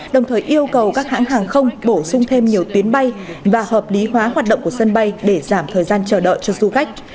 đồng thời yêu cầu các hãng hàng không bổ sung thêm nhiều tuyến bay và hợp lý hóa hoạt động của sân bay để giảm thời gian chờ đợi cho du khách